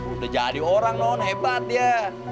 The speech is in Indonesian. udah jadi orang non hebat ya